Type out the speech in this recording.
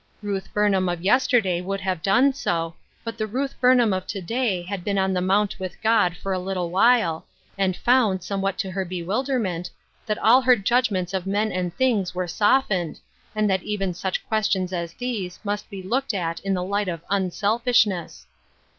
Ruth Burnham of yesterday would have done so, but the Ruth Burnham of to day had been on the mount with God for a little while, and found somewhat to her bewilderment, that all her judgments of men and things were softened, and that even such questions as these must be looked at in the light of unselfishness.